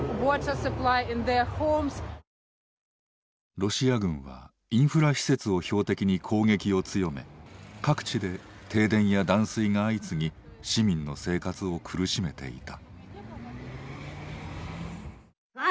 ロシア軍はインフラ施設を標的に攻撃を強め各地で停電や断水が相次ぎ市民の生活を苦しめていた。